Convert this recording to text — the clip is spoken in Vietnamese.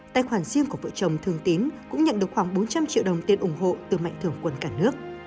tài khoản riêng của vợ chồng thường tín cũng nhận được khoảng bốn trăm linh triệu đồng tiền ủng hộ từ mạnh thường quân cả nước